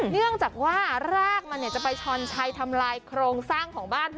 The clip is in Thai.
เนื่องจากว่ารากมันจะไปช้อนชัยทำลายโครงสร้างของบ้าน